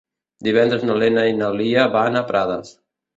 Divendres na Lena i na Lia van a Prades.